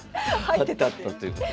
貼ってあったということで。